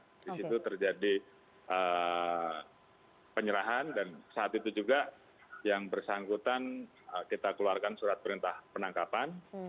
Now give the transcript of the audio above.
di situ terjadi penyerahan dan saat itu juga yang bersangkutan kita keluarkan surat perintah penangkapan